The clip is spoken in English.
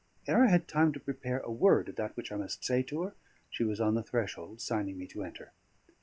Ere I had time to prepare a word of that which I must say to her, she was on the threshold signing me to enter.